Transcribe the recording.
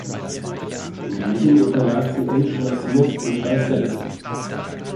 In diesem unterlag sie Angela Smith in drei Sätzen.